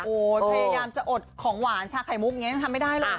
พยายามจะอดของหวานชาไข่มุกมันทำไม่ได้เลย